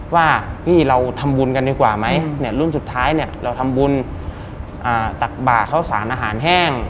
ว่าพี่เราทำบุญกันดีกว่าไหมเนี่ยรุ่นสุดท้ายเนี่ยเราทำบุญตักบากเข้าสารอาหารแห้ง